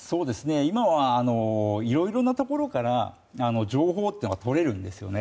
今はいろいろなところから情報というのがとれるんですね。